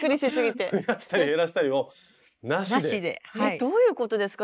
どういうことですか？